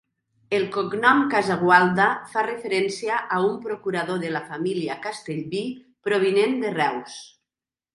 El cognom Casagualda fa referència a un procurador de la família Castellví provinent de Reus.